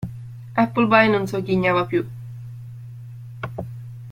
Appleby non sogghignava più.